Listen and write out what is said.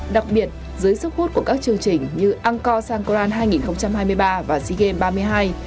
đặc biệt dưới sức hút của các chương trình như angkor sangkran hai nghìn hai mươi ba và sea games ba mươi hai